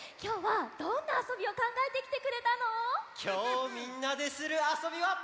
きょうみんなでするあそびは。